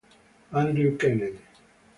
Andrew Kennedy